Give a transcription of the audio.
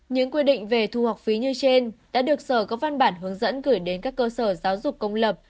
những quy định về thu học phí như trên đã được sở có văn bản hướng dẫn gửi đến các cơ sở giáo dục công lập